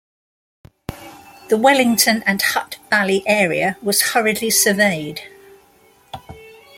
The Wellington and Hutt Valley area was hurriedly surveyed.